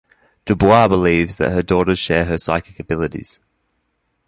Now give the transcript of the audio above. DuBois believes that her daughters share her psychic abilities.